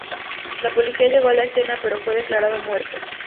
La policía llegó a la escena pero fue declarado muerto.